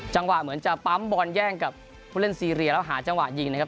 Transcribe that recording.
จังหวะเหมือนจะปั๊มบอลแย่งกับผู้เล่นซีเรียแล้วหาจังหวะยิงนะครับ